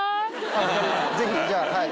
ぜひじゃあはい。